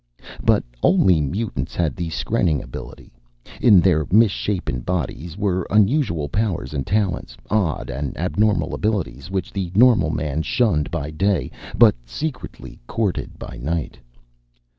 But only mutants had the skrenning ability. In their misshapen bodies were unusual powers and talents, odd and abnormal abilities which the normal man shunned by day but secretly courted by night.